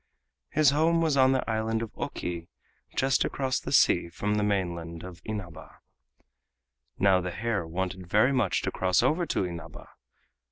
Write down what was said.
His home was on the island of Oki, and just across the sea was the mainland of Inaba. Now the hare wanted very much to cross over to Inaba.